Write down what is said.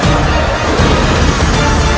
yang ada dengan apa